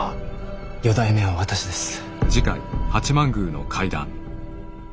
四代目は私です。